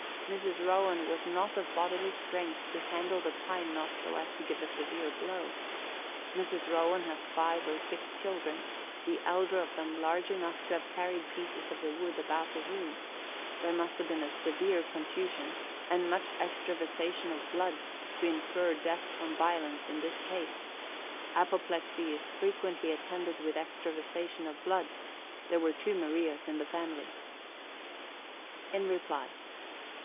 Mrs. Rowand was not of bodily strength to handle the pine knot so as to give a severe blow; Mrs. Rowand has five or six children, the elder of them large enough to have carried pieces of the wood about the room; there must have been a severe contusion, and much extravasation of blood, to infer death from violence in this case; apoplexy is frequently attended with extravasation of blood; there were two Marias in the family. _In reply.